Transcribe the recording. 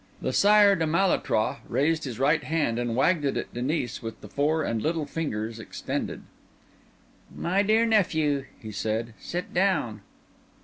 The Sire de Malétroit raised his right hand and wagged it at Denis with the fore and little fingers extended. "My dear nephew," he said, "sit down."